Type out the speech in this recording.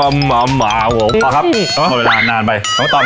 พ่อครับโมเวลานานไป